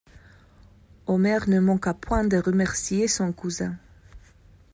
Omer ne manqua point de remercier son cousin.